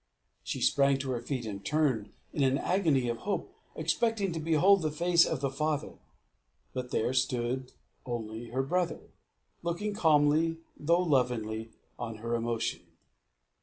She sprang to her feet, and turned, in an agony of hope, expecting to behold the face of the father, but there stood only her brother, looking calmly though lovingly on her emotion.